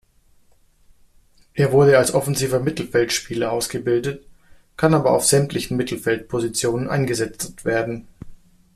Er wurde als offensiver Mittelfeldspieler ausgebildet, kann aber auf sämtlichen Mittelfeldpositionen eingesetzt werden.